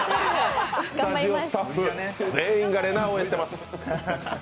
スタジオスタッフ、全員、れなぁを応援しています。